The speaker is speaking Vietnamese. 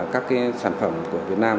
các sản phẩm của việt nam